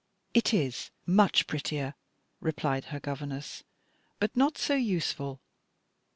"It is much prettier," replied her governess "but not so useful.